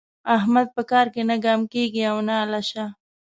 احمد په کار کې نه ګام کېږي او نه الشه.